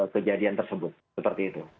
kejadian tersebut seperti itu